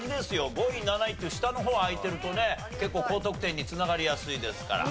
５位７位っていう下の方開いてるとね結構高得点に繋がりやすいですから。